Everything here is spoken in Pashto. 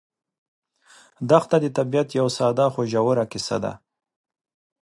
دښته د طبیعت یوه ساده خو ژوره کیسه ده.